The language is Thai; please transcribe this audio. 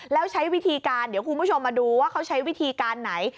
แล้วใช้วิธีการเดี๋ยวคุณผู้ชมมาดูว่าเขาใช้วิธีการไหน